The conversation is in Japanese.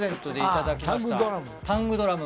あタングドラム。